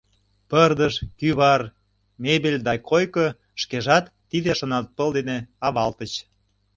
Пырдыж, кӱвар, мебель да койко шкежат тиде шонанпыл дене авалтыч.